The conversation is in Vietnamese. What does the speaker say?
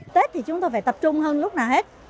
tết thì chúng tôi phải tập trung hơn lúc nào hết